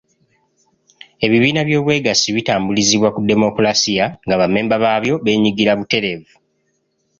Ebibiina by’Obwegassi bitambulizibwa ku demokulaasiya, nga bammemba baabyo beenyigira butereevu.